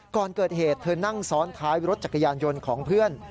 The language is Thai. ก่อนเกิดเหตุเธอนั่งซ้อนท้ายรถจักรยานยนต์ของเพื่อน